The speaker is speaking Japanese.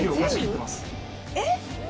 えっ？